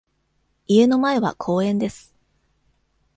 家の前は公園です。